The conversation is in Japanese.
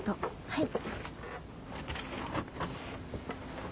はい！